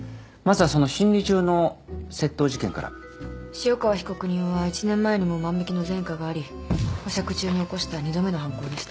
潮川被告人は１年前にも万引の前科があり保釈中に起こした２度目の犯行でした。